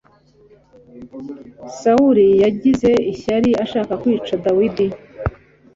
sawuli yagize ishyari ashaka kwica dawidi